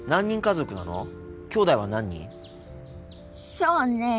そうね